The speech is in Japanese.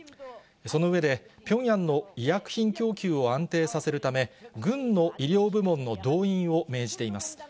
その上で、ピョンヤンの医薬品供給を安定させるため、軍の医療部門の動員を命じています。